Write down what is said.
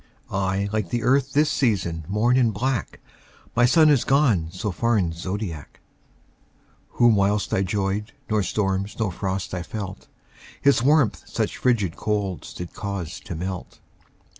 I, like the Earth this season, mourn in black, My Sun is gone so far in's zodiac, Whom whilst I 'joyed, nor storms, nor frost I felt, His warmth such fridged colds did cause to melt.